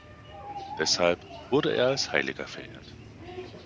Deshalb wurde er als Heiliger verehrt.